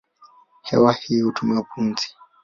Hewa hii huitwa pumzi.